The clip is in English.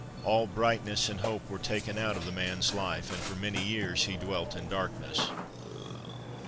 All brightness and hope were taken out of the man's life, and for many years he dwelt in darkness.